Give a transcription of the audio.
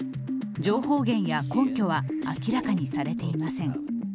情報源や根拠は明らかにされていません。